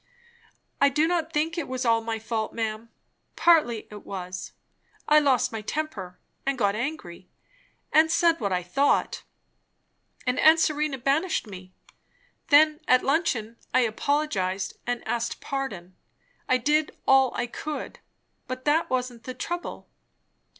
"I do not think it was all my fault, ma'am. Partly it was. I lost my temper, and got angry, and said what I thought, and aunt Serena banished me. Then at luncheon I apologized and asked pardon; I did all I could. But that wasn't the trouble.